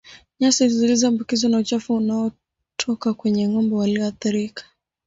Nyasi zilizoambukizwa na uchafu unaotoka kwenye ng'ombe walioathirika